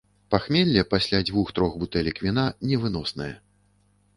Пахмелле пасля дзвюх-трох бутэлек віна невыноснае.